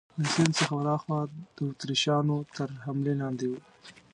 له سیند څخه ورهاخوا د اتریشیانو تر حملې لاندې وو.